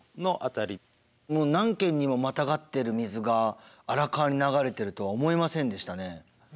もう何県にもまたがってる水が荒川に流れてるとは思いませんでしたね。